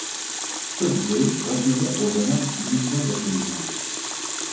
Toutes deux refusaient au jeune homme l'illusion d'être lui-même.